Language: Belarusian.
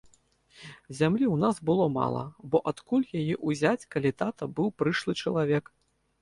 Зямлі ў нас было мала, бо адкуль яе ўзяць, калі тата быў прышлы чалавек.